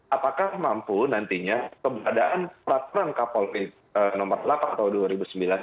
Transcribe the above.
apakah mampu nantinya keberadaan peraturan kapolri nomor delapan tahun dua ribu sembilan belas